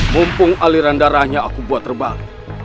mumpung aliran darahnya aku buat terbang